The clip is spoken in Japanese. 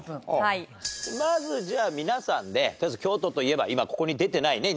まずじゃあ皆さんでとりあえず京都と言えば今ここに出てない２３４